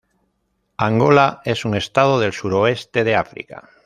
Angola es un estado del suroeste de África.